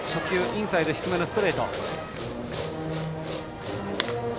インサイド低めのストレート。